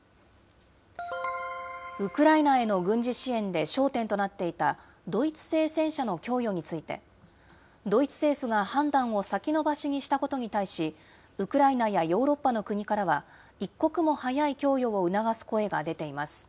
ウクライナへの軍事支援で焦点となっていた、ドイツ製戦車の供与について、ドイツ政府が判断を先延ばしにしたことに対し、ウクライナやヨーロッパの国からは、一刻も早い供与を促す声が出ています。